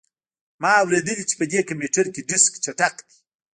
ما اوریدلي چې په دې کمپیوټر کې ډیسک چټک دی